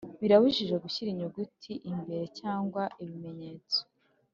Birabujijwe gushyira inyuguti, imibare cyangwa ibimenyetso